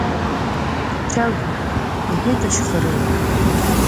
Чагә, — иҳәеит Ашьхаруа.